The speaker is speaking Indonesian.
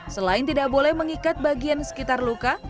selain tidak boleh mengikat bagian sekitar luka